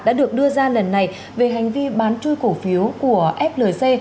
đã được đưa ra lần này về hành vi bán chui cổ phiếu của flc